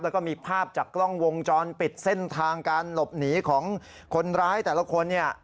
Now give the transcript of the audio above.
แล้วก็มีภาพจากกล้องวงจรปิดเส้นทางการหลบหนีของคนร้ายแต่ละคนเนี่ย